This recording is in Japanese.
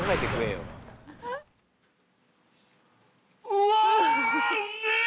うわ！